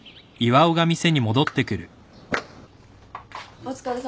お疲れさま。